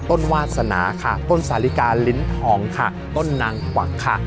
วาสนาค่ะต้นสาลิกาลิ้นทองค่ะต้นนางกวักค่ะ